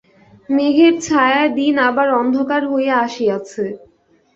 মেঘের ছায়ায় দিন আবার অন্ধকার হইয়া আসিয়াছে।